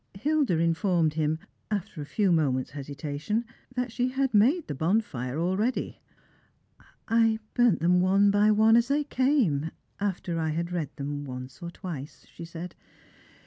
Hilda informed him, after a few moments' hesitation, that she had made the bonfire already. " I burnt them one by one as they came, after I had read them once or twice," she said.